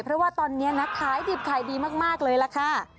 เพราะว่าตอนนี้นะขายดิบขายดีมากเลยล่ะค่ะ